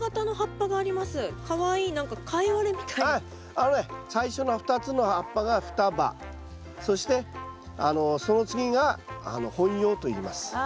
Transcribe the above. あのね最初の２つの葉っぱが双葉そしてその次が本葉といいます。